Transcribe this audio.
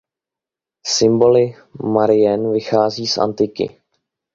Symboly Marianne vycházejí z antiky.